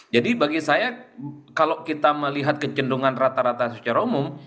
bagi saya kalau kita melihat kecenderungan rata rata secara umum